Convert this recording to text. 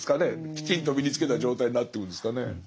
きちんと身につけた状態になってくんですかね。